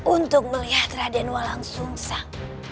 untuk melihat raden walang sum sang